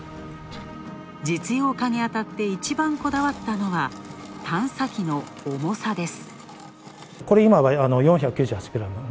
実用化にあたっていちばんこだわったのは、探査機の重さです。